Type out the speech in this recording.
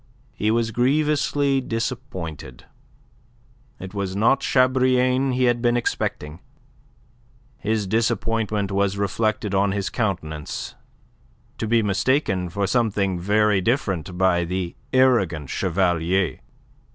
He was grievously disappointed. It was not Chabrillane he had been expecting. His disappointment was reflected on his countenance, to be mistaken for something very different by the arrogant Chevalier.